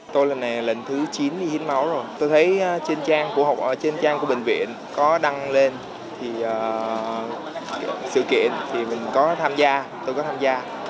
tôi lần này là lần thứ chín đi hiến máu rồi tôi thấy trên trang của bệnh viện có đăng lên sự kiện tôi có tham gia